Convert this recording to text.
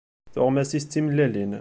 Tuɣmas-is d timellalin.